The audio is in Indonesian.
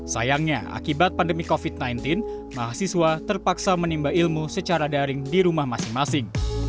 sayangnya akibat pandemi covid sembilan belas mahasiswa terpaksa menimba ilmu secara daring di rumah masing masing